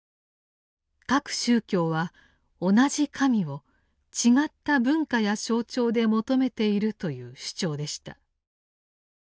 「各宗教は同じ神を違った文化や象徴で求めている」という主張でした。